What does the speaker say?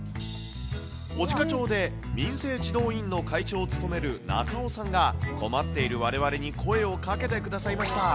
小値賀町で民生児童委員の会長を務める中尾さんが、困っているわれわれに声をかけてくださいました。